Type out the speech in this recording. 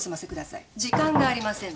時間がありませんので。